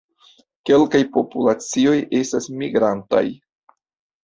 Kelkaj populacioj estas migrantaj.